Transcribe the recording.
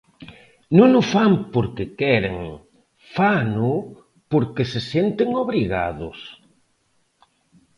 Non o fan porque queren, fano porque se senten obrigados.